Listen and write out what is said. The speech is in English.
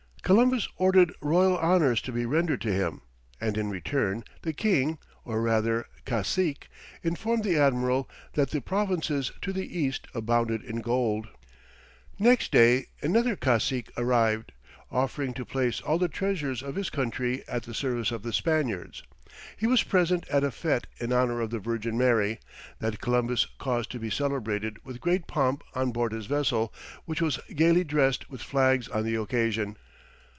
Columbus ordered royal honours to be rendered to him, and in return, the king, or rather cacique, informed the admiral that the provinces to the east abounded in gold. [Illustration: Columbus named it the Vale of Paradise.] Next day another cacique arrived, offering to place all the treasures of his country at the service of the Spaniards. He was present at a fête in honour of the Virgin Mary, that Columbus caused to be celebrated with great pomp on board his vessel, which was gaily dressed with flags on the occasion.